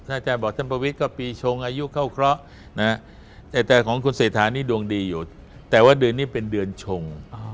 อาจารย์บอกท่านประวิทย์ก็ปีชงอายุเข้าเคราะห์แต่ของคุณเศรษฐานี่ดวงดีอยู่แต่ว่าเดือนนี้เป็นเดือนชง